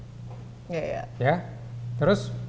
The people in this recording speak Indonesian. ya ya ya terus